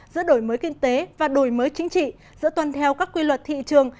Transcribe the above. giữa đổi mới kinh tế và đổi mới chính trị giữa toàn theo các quy luật thị trường